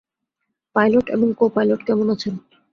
Pilot এবং co-pilot কেমন আছেন?